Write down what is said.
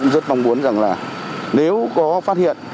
rất mong muốn rằng là nếu có phát hiện